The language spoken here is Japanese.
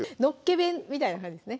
弁みたいな感じですね